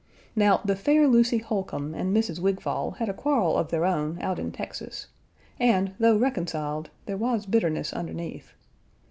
Now the fair Lucy Holcombe and Mrs. Wigfall had a quarrel of their own out in Texas, and, though reconciled, there was bitterness underneath.